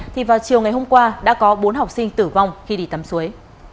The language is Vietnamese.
thì vào chiều ngày hôm qua đã có bốn học sinh tử vong khi đi tắm suối